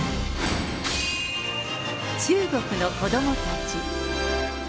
中国の子どもたち。